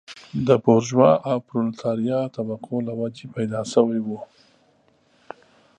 د بورژوا او پرولتاریا طبقو له وجهې پیدا شوی و.